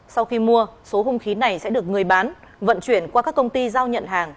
sau khi mua số hung khí này sẽ được người bán vận chuyển qua các công ty giao nhận hàng